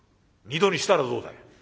「二度にしたらどうだよ？」。